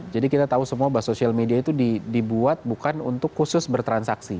jadi kita tahu semua bahwa social media itu dibuat bukan untuk khusus bertransaksi